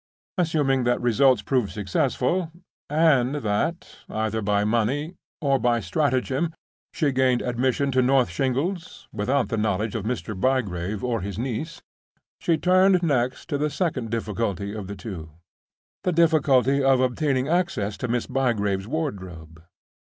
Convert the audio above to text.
Assuming that results proved successful, and that, either by money or by stratagem, she gained admission to North Shingles (without the knowledge of Mr. Bygrave or his niece), she turned next to the second difficulty of the two—the difficulty of obtaining access to Miss Bygrave's wardrobe.